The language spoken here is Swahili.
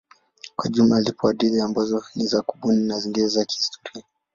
Kwa jumla zipo hadithi ambazo ni za kubuni na zingine za kihistoria.